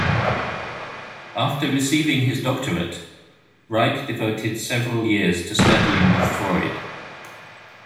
After receiving his doctorate, Reik devoted several years to studying with Freud.